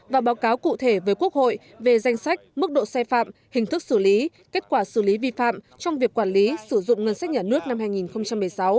và báo cáo cụ thể với quốc hội về danh sách mức độ xe phạm hình thức xử lý kết quả xử lý vi phạm trong việc quản lý sử dụng ngân sách nhà nước năm hai nghìn một mươi sáu